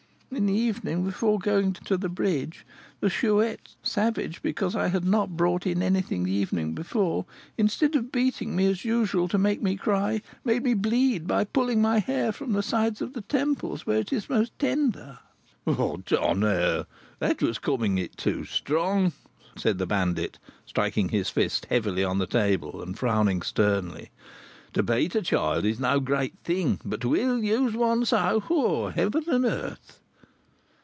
In the evening, before going to the bridge, the Chouette, savage because I had not brought in anything the evening before, instead of beating me as usual to make me cry, made me bleed by pulling my hair from the sides of the temples, where it is most tender." "Tonnerre! that was coming it too strong," said the bandit, striking his fist heavily on the table, and frowning sternly. "To beat a child is no such great thing, but to ill use one so Heaven and earth!"